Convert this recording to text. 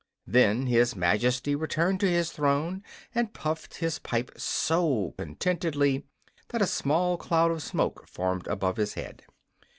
Then his Majesty returned to his throne and puffed his pipe so contentedly that a small cloud of smoke formed above his head.